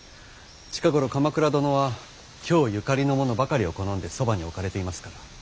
近頃鎌倉殿は京ゆかりの者ばかりを好んでそばに置かれていますから。